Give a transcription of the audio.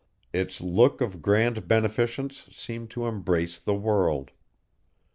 Its look of grand beneficence seemed to embrace the world.